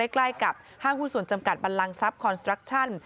ใกล้กับห้างหุ้นส่วนจำกัดบันลังทรัพย์คอนสตรักชั่น